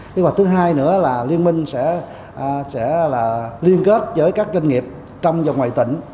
kế hoạch thứ hai nữa là liên minh sẽ là liên kết với các doanh nghiệp trong và ngoài tỉnh